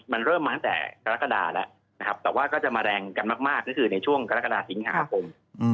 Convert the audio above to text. มันเริ่มมาตั้งแต่กรกฎาแล้วนะครับแต่ว่าก็จะมาแรงกันมากก็คือในช่วงกรกฎาสิงหาคม